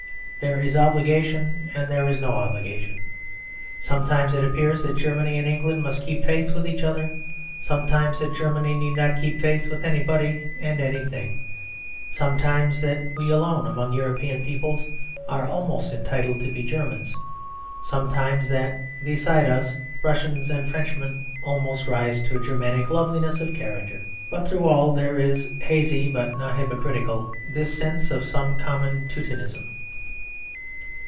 There is obligation and there is no obligation: sometimes it appears that Germany and England must keep faith with each other; sometimes that Germany need not keep faith with anybody and anything; sometimes that we alone among European peoples are almost entitled to be Germans; sometimes that beside us Russians and Frenchmen almost rise to a Germanic loveliness of character. But through all there is, hazy but not hypocritical, this sense of some common Teutonism.